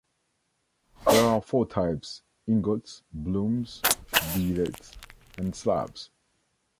There are four types: "ingots", "blooms", "billets", and "slabs".